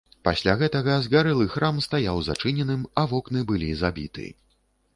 Пасля гэтага згарэлы храм стаяў зачыненым, а вокны былі забіты.